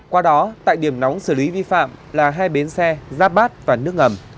qua đó tại điểm nóng xử lý vi phạm là hai bến xe giáp bát và nước ngầm